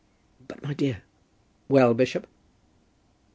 "But, my dear " "Well, bishop?"